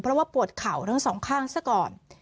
เพราะว่าปวดเข่าทั้งสองข้างซะก่อน